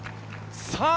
さあ